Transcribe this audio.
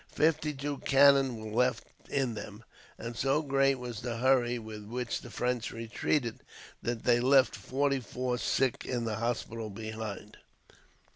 Fifty two cannon were left in them, and so great was the hurry with which the French retreated that they left forty four sick in the hospital behind.